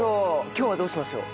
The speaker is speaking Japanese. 今日はどうしましょう？